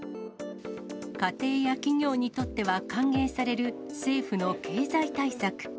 家庭や企業にとっては歓迎される政府の経済対策。